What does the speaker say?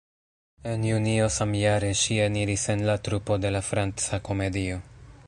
En junio samjare, ŝi eniris en la trupo de la Franca Komedio.